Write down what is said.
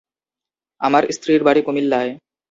আমার স্ত্রীর বাড়ি কুমিল্লায়।